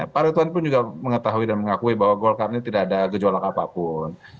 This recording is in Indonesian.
pak rituan pun juga mengetahui dan mengakui bahwa golkar ini tidak ada gejolak apapun